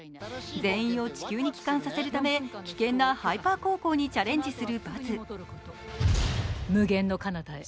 全員を地球に帰還させるため、危険なハイパー航行にチャレンジするバズ。